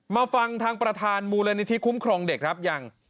มาฟังทางประธานมูลนิธิคุ้มครองเด็กครับยัง